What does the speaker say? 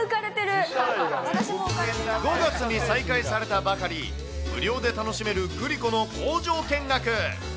５月に再開されたばかり、無料で楽しめるグリコの工場見学。